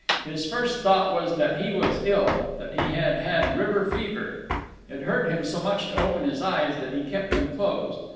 His first thought was that he was ill—that he had had river fever. It hurt him so much to open his eyes that he kept them closed.